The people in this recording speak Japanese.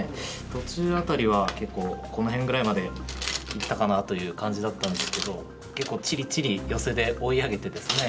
途中辺りは結構この辺ぐらいまでいったかなという感じだったんですけど結構ちりちりヨセで追い上げてですね